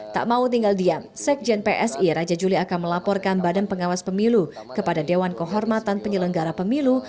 tak mau tinggal diam sekjen psi raja juli akan melaporkan badan pengawas pemilu kepada dewan kehormatan penyelenggara pemilu